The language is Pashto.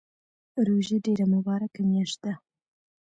روژه ډیره مبارکه میاشت ده